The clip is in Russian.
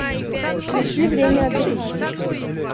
Нашли время отдыхать.